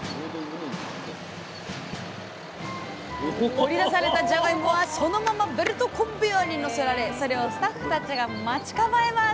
掘り出されたじゃがいもはそのままベルトコンベヤーにのせられそれをスタッフたちが待ち構えます